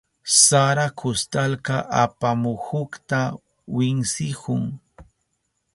Sara kustalka apamuhukta winsihun.